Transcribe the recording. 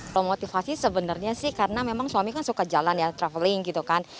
kalau motivasi sebenarnya sih karena memang suami kan suka jalan ya traveling gitu kan